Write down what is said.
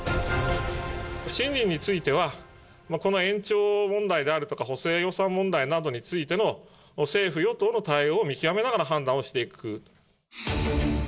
不信任については、この延長問題であるとか補正予算問題などについての政府・与党の対応を見極めながら判断をしていくと。